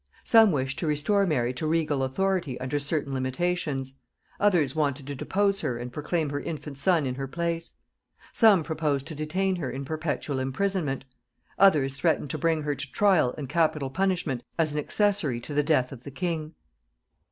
Some wished to restore Mary to regal authority under certain limitations; others wanted to depose her and proclaim her infant son in her place; some proposed to detain her in perpetual imprisonment; others threatened to bring her to trial and capital punishment as an accessary to the death of the king.